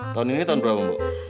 tahun ini tahun berapa mbak